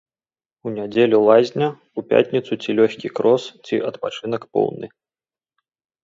У нядзелю лазня, у пятніцу ці лёгкі крос, ці адпачынак поўны.